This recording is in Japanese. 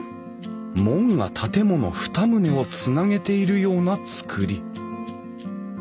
門が建物２棟をつなげているような造り。